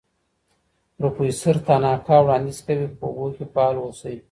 پروفیسور تاناکا وړاندیز کوي په اوبو کې فعال اوسئ.